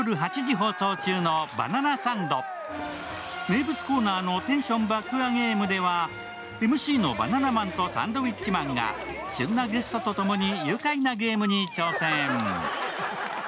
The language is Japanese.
名物コーナーの「テンション爆上げむ」では、ＭＣむバナナマンとサンドウィッチマンが旬なゲストと共に愉快なゲームに挑戦。